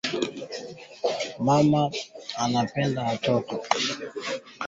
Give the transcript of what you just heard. Imetayarishwa na Kennes Bwire